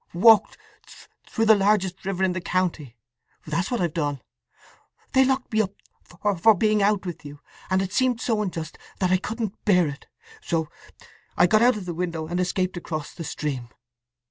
"Walked through the largest river in the county—that's what I've done! They locked me up for being out with you; and it seemed so unjust that I couldn't bear it, so I got out of the window and escaped across the stream!"